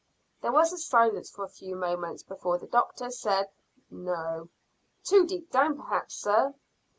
There was silence for a few moments before the doctor said "No." "Too deep down perhaps, sir."